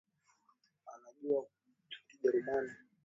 Anajua kijerumani